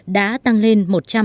đã tăng lên một trăm hai mươi sáu